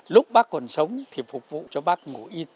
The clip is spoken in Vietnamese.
lúc bác còn sống thì phục vụ cho bác ngủ yên